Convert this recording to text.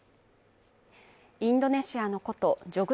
インドネシアの古都ジョグ